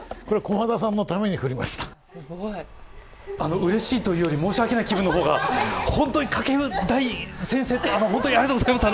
うれしいというより申し訳ない気分の方が本当に掛布大先生、ありがとうございます。